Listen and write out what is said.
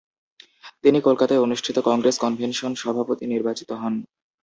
তিনি কলকাতায় অনুষ্ঠিত কংগ্রেস কনভেনশন সভাপতি নির্বাচিত হন।